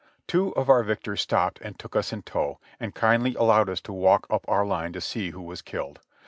Two of our victors stopped and took us in tow, and kindly allowed us to walk up our line to see who was killed.